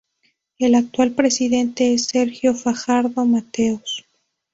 El actual presidente es Sergio Fajardo Mateos.